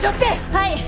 はい。